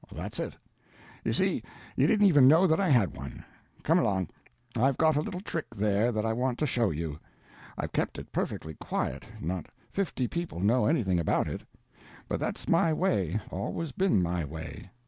"That's it. You see you didn't even know that I had one. Come along. I've got a little trick there that I want to show you. I've kept it perfectly quiet, not fifty people know anything about it. But that's my way, always been my way.